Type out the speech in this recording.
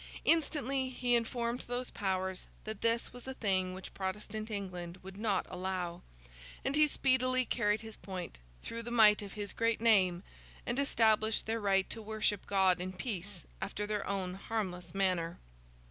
Instantly, he informed those powers that this was a thing which Protestant England would not allow; and he speedily carried his point, through the might of his great name, and established their right to worship God in peace after their own harmless manner.